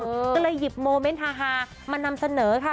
ก็เลยหยิบโมเมนต์ฮามานำเสนอค่ะ